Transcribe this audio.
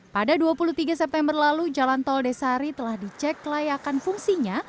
pada dua puluh tiga september lalu jalan tol desari telah dicek layakan fungsinya